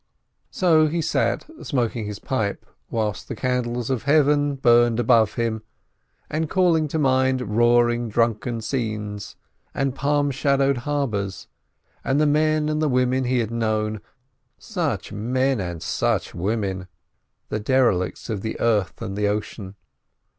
So he sat smoking his pipe, whilst the candles of heaven burned above him, and calling to mind roaring drunken scenes and palm shadowed harbours, and the men and the women he had known—such men and such women! The derelicts of the earth and the ocean.